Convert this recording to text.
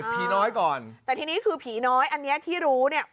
ผีน้อยก่อนแต่ทีนี้คือผีน้อยอันนี้ที่รู้เนี่ย